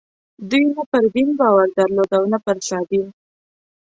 دوی نه پر دین باور درلود او نه پر سادین.